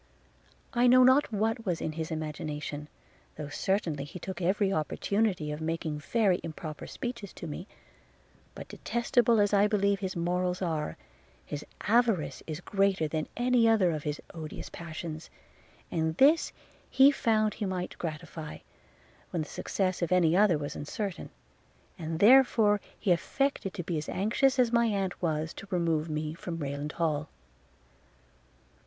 – I know not what was in his imagination, though certainly he took every opportunity of making very improper speeches to me; but detestable as I believe his morals are, his avarice is greater than any other of his odious passions; and this he found he might gratify, when the success of any other was uncertain; and therefore he affected to be as anxious as my aunt was, to remove me from Rayland Hall.